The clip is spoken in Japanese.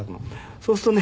そうするとね。